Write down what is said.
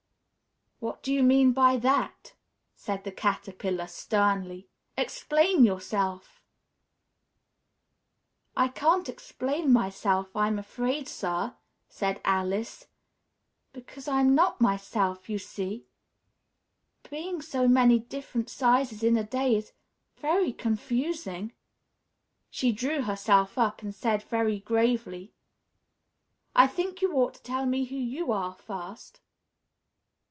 "What do you mean by that?" said the Caterpillar, sternly. "Explain yourself!" "I can't explain myself, I'm afraid, sir," said Alice, "because I'm not myself, you see being so many different sizes in a day is very confusing." She drew herself up and said very gravely, "I think you ought to tell me who you are, first."